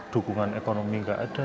dukungan ekonomi nggak ada